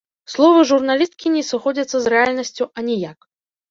Словы журналісткі не сыходзяцца з рэальнасцю аніяк.